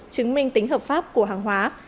chứng minh tính hợp pháp của hàng hóa